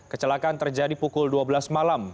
kecelakaan terjadi pukul dua belas malam